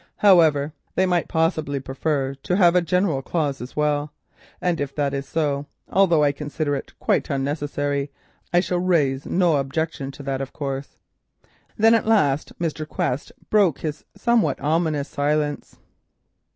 However, they might perhaps prefer to have a general clause as well, and if it is so, although I consider it quite unnecessary, I shall raise no objection to that course." Then at last Mr. Quest broke his somewhat ominous silence.